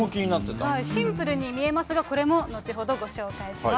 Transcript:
シンプルに見えますが、これも後ほどご紹介します。